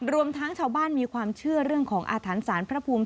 รวมทั้งชาวบ้านมีความเชื่อเรื่องของอาถรรพ์สารพระภูมิ